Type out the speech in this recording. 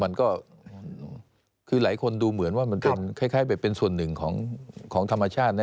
มันก็คือหลายคนดูเหมือนว่ามันเป็นคล้ายแบบเป็นส่วนหนึ่งของธรรมชาตินะ